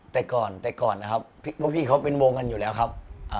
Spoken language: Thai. แต่ก่อนแต่ก่อนนะครับพวกพี่เขาเป็นวงกันอยู่แล้วครับ